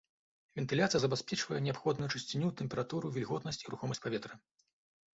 Вентыляцыя забяспечвае неабходную чысціню, тэмпературу, вільготнасць і рухомасць паветра.